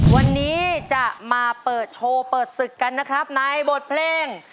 วันนี้จะมาเปิดโชว์เปิดศึกกันนะครับในบทเพลง